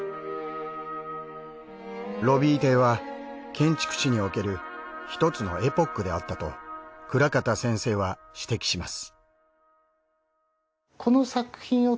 『ロビー邸』は建築史における１つのエポックであったと倉方先生は指摘します。